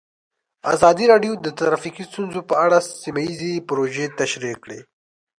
ازادي راډیو د ټرافیکي ستونزې په اړه سیمه ییزې پروژې تشریح کړې.